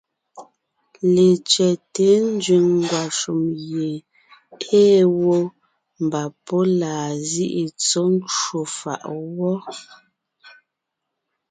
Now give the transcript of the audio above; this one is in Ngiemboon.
Letsẅɛ́te nzẅìŋ ngwàshùm gie ée wó, mbà pɔ́ laa zíʼi tsɔ̌ ncwò fàʼ wɔ́.